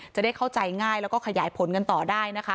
จะได้เข้าใจง่ายแล้วก็ขยายผลกันต่อได้นะคะ